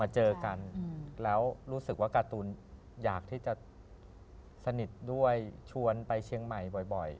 เจอกันแล้วรู้สึกว่าการ์ตูนอยากที่จะสนิทด้วยชวนไปเชียงใหม่บ่อย